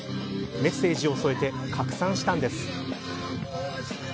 メッセージを添えて拡散したんです。